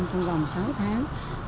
trong vòng sáu tháng